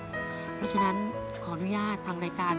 เพราะฉะนั้นขออนุญาตทางรายการ